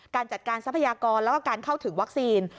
การจัดการทรัพยากรแล้วก็การเข้าถึงวัคซีน